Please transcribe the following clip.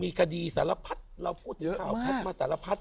มีคดีสารพัดเราพูดเยอะมาก